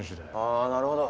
ああなるほど。